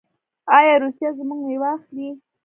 آیا روسیه زموږ میوه اخلي؟